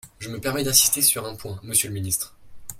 Je me permets d’insister sur un point, monsieur le ministre.